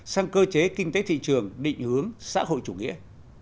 sang cơ chế kinh tế thị trường định hướng xã hội chủ nghĩa